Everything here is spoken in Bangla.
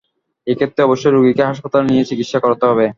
এক্ষেত্রে অবশ্যই রোগীকে হাসপাতালে নিয়ে চিকিৎসা করাতে হবে।